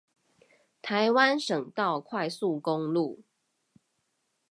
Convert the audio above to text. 臺灣省道快速公路